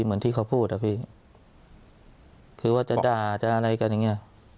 เหมือนที่เขาพูดอะพี่คือว่าจะด่าจะอะไรกันอย่างเงี้ย